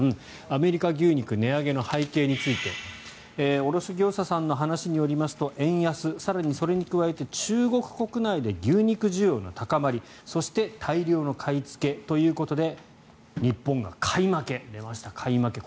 アメリカ牛肉値上げの背景について卸業者さんの話によりますと円安、更にそれに加えて中国国内で牛肉需要の高まりそして大量の買いつけということで日本が買い負け。出ました、買い負け。